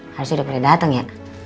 harusnya udah pada dateng ya